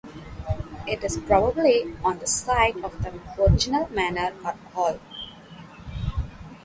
It is probably on the site of the original manor or hall.